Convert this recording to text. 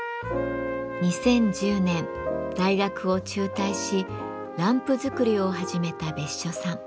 ２０１０年大学を中退しランプ作りを始めた別所さん。